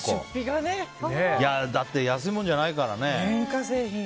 だって安いものじゃないからね。